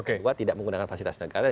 kedua tidak menggunakan fasilitas negara